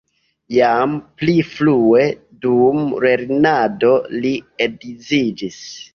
Jam pli frue dum lernado li edziĝis.